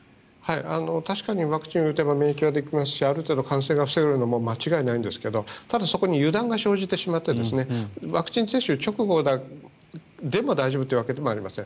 確かにワクチンを打てば免疫はできますしある程度、感染が防げるのも間違いないんですがただ、そこに油断が生じてしまってワクチン接種直後でも大丈夫というわけでもありません。